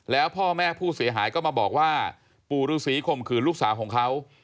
แล้วพ่อแม่ผู้เสียหายก็มาบอกว่าปู่ฤษีข่มขืนลูกสาวของเขา